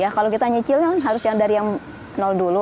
ya kalau kita nyicil harus yang dari yang nol dulu